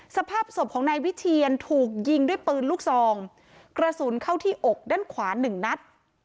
สภาพศพของนายวิเชียนถูกยิงด้วยปืนลูกซองกระสุนเข้าที่อกด้านขวาหนึ่งนัด